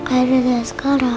aduh udah sekarang